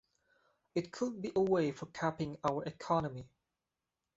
It could be a way of capping our economy.